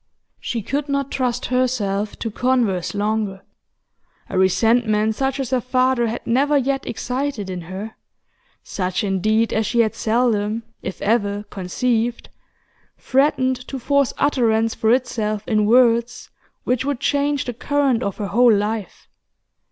She could not trust herself to converse longer. A resentment such as her father had never yet excited in her such, indeed, as she had seldom, if ever, conceived threatened to force utterance for itself in words which would change the current of her whole life.